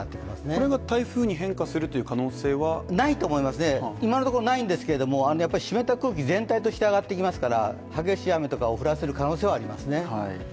これが台風に変化するという可能性はないと思います、今のところないんですけど、湿った空気全体として上がってきますから激しい雨とかを降らせる可能性はありますね。